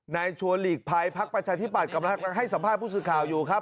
นายชัวร์หลีกภัยพักประชาธิบัติกำลังให้สัมภาพภูมิข่าวอยู่ครับ